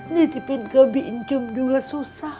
nitipin ke bincum juga susah